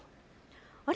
あれ？